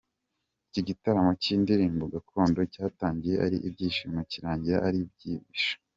Iki gitaramo cy’indirimbo gakondo cyatangiye ari ibyishimo kirangira ari biyishimo.